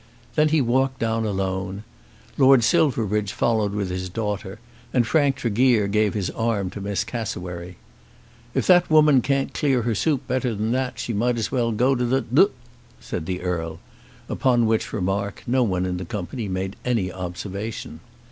Then he walked down alone. Lord Silverbridge followed with his daughter, and Frank Tregear gave his arm to Miss Cassewary. "If that woman can't clear her soup better than that, she might as well go to the d ," said the Earl; upon which remark no one in the company made any observation.